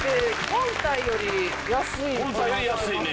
本体より安いね。